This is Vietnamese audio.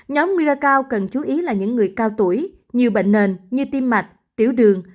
nhóm nguyên cao cần chú ý là những người cao tuổi nhiều bệnh nền như tim mạch tiểu đường